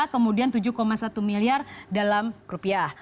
kemudian tujuh satu miliar dalam rupiah